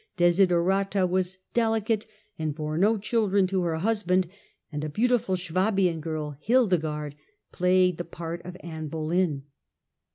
Desiderata was delicate and bore no child to her husband, and a beautiful Suabian girl, Hildegarde, played the part of Anne Boleyn.